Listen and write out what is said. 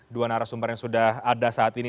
dua narasumber yang sudah ada saat ini